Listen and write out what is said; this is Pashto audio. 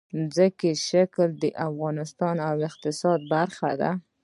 ځمکنی شکل د افغانستان د اقتصاد برخه ده.